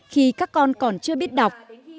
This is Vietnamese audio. khi các con còn chưa biết đọc